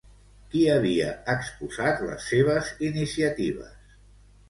Qui havia exposat les seves iniciatives?